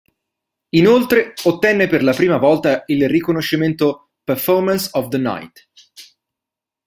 Inoltre ottenne per la prima volta il riconoscimento "Performance of the Night".